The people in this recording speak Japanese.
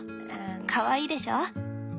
かわいいでしょ？